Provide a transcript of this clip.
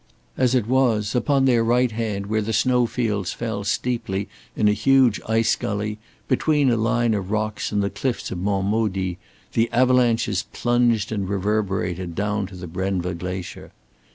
As it was, upon their right hand where the snow fields fell steeply in a huge ice gully, between a line of rocks and the cliffs of Mont Maudit, the avalanches plunged and reverberated down to the Brenva glacier.